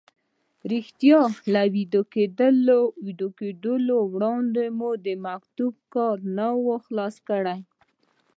رښتیا له ویده کېدو وړاندې مو د مکتوب کار نه و خلاص کړی.